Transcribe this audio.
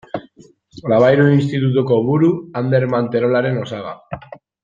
Labayru Institutuko buru Ander Manterolaren osaba.